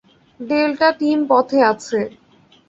Delta team পথে আছে।